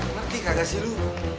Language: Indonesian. ngerti kagak sih lo